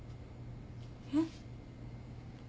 えっ？